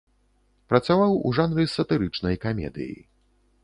Працаваў у жанры сатырычнай камедыі.